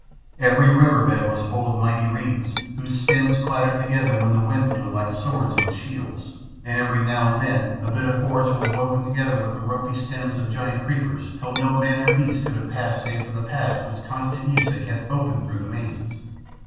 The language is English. Every river bed was full of mighty reeds, whose stems clattered together when the wind blew like swords on shields, and every now and then a bit of forest was woven together with the ropey stems of giant creepers till no man or beast could have passed save for the paths which constant use had kept open through the mazes.